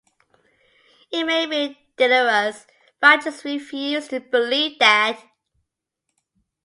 It may be delirious, but I just refused to believe that.